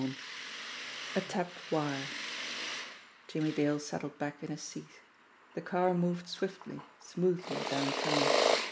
XXII A TAPPED WIRE JIMMIE DALE settled back in his seat. The car moved swiftly, smoothly downtown.